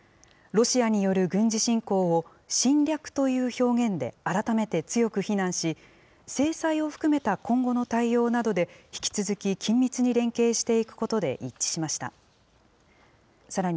ロシアによる軍事侵攻を侵略という表現で改めて強く非難し、制裁を含めた今後の対応などで引き続き緊密に連携していくことで一致しました。